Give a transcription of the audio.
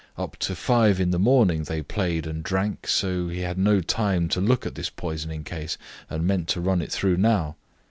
Up to five in the morning they played and drank, so he had no time to look at this poisoning case, and meant to run it through now.